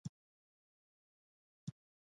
د باران لپاره ونې اړین دي